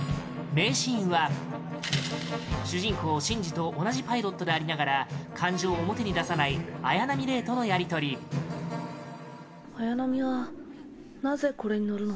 名シーンは主人公シンジと同じパイロットでありながら感情を表に出さない綾波レイとのやり取りシンジ：綾波はなぜこれに乗るの？